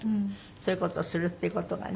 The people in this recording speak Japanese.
そういう事をするっていう事がね。